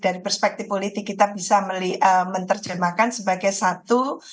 dari perspektif politik kita bisa menerjemahkan sebagai satu